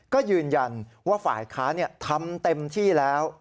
ก็ยืนยันว่าฝ่ายค้าทำเต็มที่แล้ว